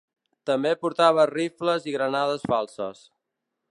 També portava rifles i granades falses.